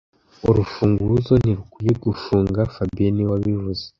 Urufunguzo ntirukwiye gufunga fabien niwe wabivuze